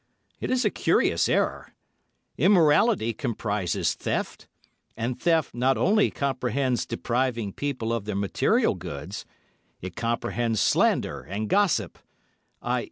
It is a curious error. Immorality comprises theft, and theft not only comprehends depriving people of their material goods, it comprehends slander and gossip—_i.